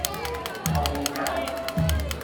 蠔油